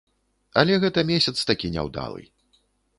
Але гэта месяц такі няўдалы.